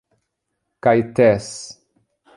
Caetés